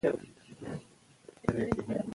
پلاستیک کم وکاروئ.